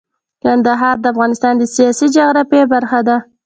کندهار د افغانستان د سیاسي جغرافیه برخه ده.